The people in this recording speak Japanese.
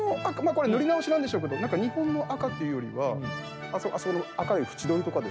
これ塗り直しなんでしょうけど日本の赤っていうよりはあそこの赤い縁取りとかですね。